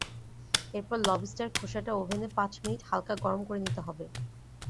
এরপর লবস্টার খোসাটা ওভেনে পাঁচ মিনিট হালকা গরম করে নিতে হবে।